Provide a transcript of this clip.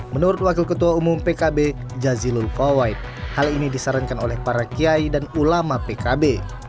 menurut wakil ketua umum pkb jazilul fawait hal ini disarankan oleh para kiai dan ulama pkb